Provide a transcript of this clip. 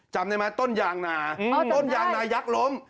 จำได้ไหมต้นยางนาต้นยางนายักษ์ล้ม